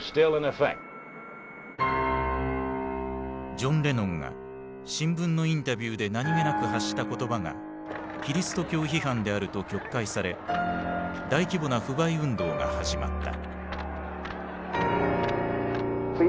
ジョン・レノンが新聞のインタビューで何気なく発した言葉がキリスト教批判であると曲解され大規模な不買運動が始まった。